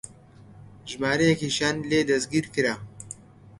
ژمارەیەکیشیان لێ دەستگیر کرا